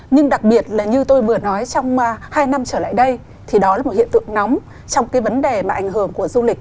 nhưng đặc biệt là như tôi vừa nói trong hai năm trở lại đây thì đó là một hiện tượng nóng trong cái vấn đề mà ảnh hưởng của du lịch